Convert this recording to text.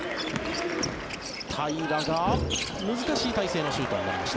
平良が難しい体勢のシュートになりました。